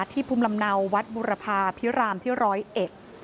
ที่ภูมิลำเนาวัตย์บุรพาธิพิรามทีร้อยเอ็กซ์